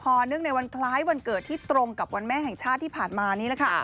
เนื่องในวันคล้ายวันเกิดที่ตรงกับวันแม่แห่งชาติที่ผ่านมานี่แหละค่ะ